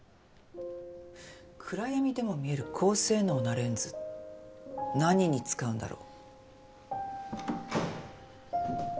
暗闇でも見える高性能なレンズ何に使うんだろう。